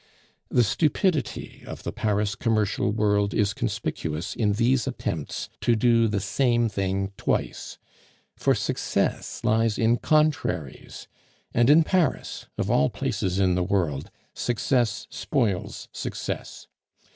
The stupidity of the Paris commercial world is conspicuous in these attempts to do the same thing twice, for success lies in contraries; and in Paris, of all places in the world, success spoils success.